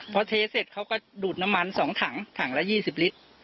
พอเทเสร็จเขาก็ดูดน้ำมัน๒ถังถังละ๒๐ลิตร